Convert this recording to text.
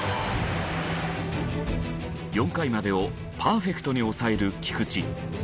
４回までをパーフェクトに抑える菊池。